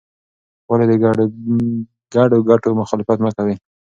ولې د ګډو ګټو مخالفت مه کوې؟